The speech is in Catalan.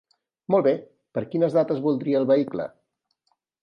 Molt bé, per quines dates voldria el vehicle?